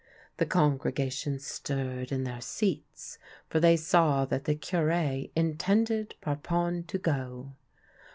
The congregation stirred in their seats, for they saw that the Cure intended Parpon to go.